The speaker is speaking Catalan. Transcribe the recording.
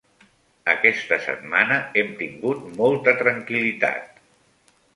Aquesta setmana hem tingut molta tranquil·litat.